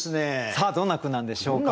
さあどんな句なんでしょうか。